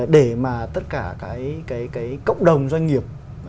để mà tất cả cái cộng đồng doanh nghiệp